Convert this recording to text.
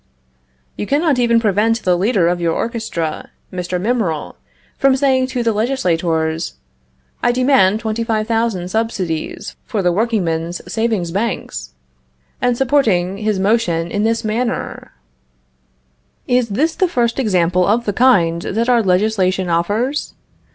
You cannot even prevent the leader of your orchestra, Mr. Mimerel, from saying to the legislators: "I demand twenty five thousand subsidies for the workingmen's savings banks;" and supporting his motion in this manner: "Is this the first example of the kind that our legislation offers?